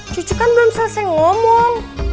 cucu kan belum selesai ngomong